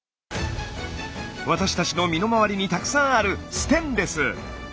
私たちの身の回りにたくさんあるステンレス。